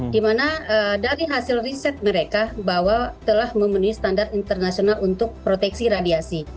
di mana dari hasil riset mereka bahwa telah memenuhi standar internasional untuk proteksi radiasi